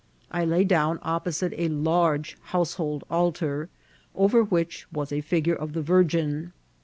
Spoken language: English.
I lay down opposite a large household altar, over which was a figure of the Virgin.